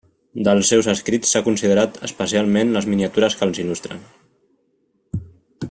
Dels seus escrits s'ha considerat especialment les miniatures que els il·lustren.